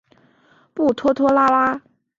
不拖拖拉拉。